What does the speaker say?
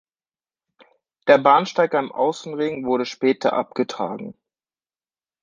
Der Bahnsteig am Außenring wurde später abgetragen.